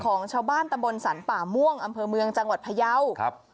ของชาวบ้านตำบลสรรป่าม่วงอำเภอเมืองจังหวัดพยาวครับ